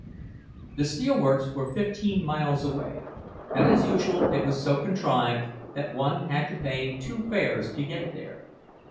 The steel works were fifteen miles away, and as usual it was so contrived that one had to pay two fares to get there.